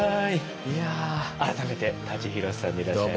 いやぁ改めて舘ひろしさんでいらっしゃいます。